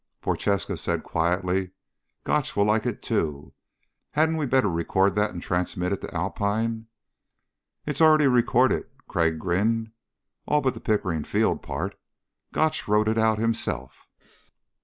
Prochaska said quietly, "Gotch will like it, too. Hadn't we better record that and transmit it to Alpine?" "It's already recorded." Crag grinned. "All but the Pickering Field part. Gotch wrote it out himself."